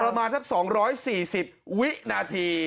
ประมาณสัก๒๔๐วินาที